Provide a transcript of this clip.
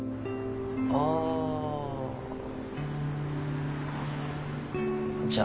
あじゃあ。